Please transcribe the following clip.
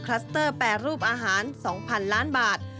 สเตอร์แปรรูปอาหาร๒๐๐๐ล้านบาท